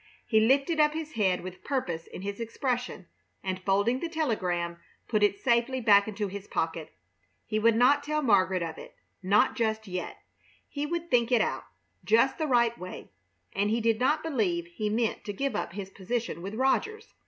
He lifted up his head with purpose in his expression, and, folding the telegram, put it safely back into his pocket. He would not tell Margaret of it not just yet. He would think it out just the right way and he did not believe he meant to give up his position with Rogers.